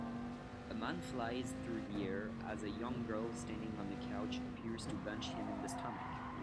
A man flies through the air as a young girl standing on a couch appears to bunch him in the stomach